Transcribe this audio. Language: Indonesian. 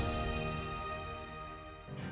ya bagus kagum gitu ya